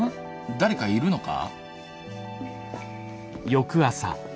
誰かいるのか？